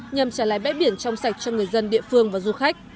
nhằm trả lại bãi biển trong sạch cho người dân địa phương và du khách